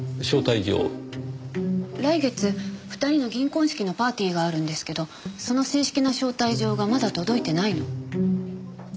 来月２人の銀婚式のパーティーがあるんですけどその正式な招待状がまだ届いてないの。